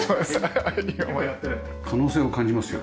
可能性を感じますよ